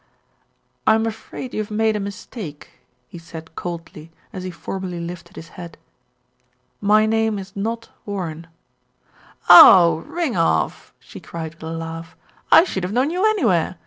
"I'm afraid you have made a mistake," he said coldly, as he formally lifted his hat. "My name is not Warren." "Oh ! ring off !" she cried with a laugh. "I should have known you anywhere.